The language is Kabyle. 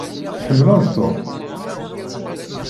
Tḥemmleḍ Tom?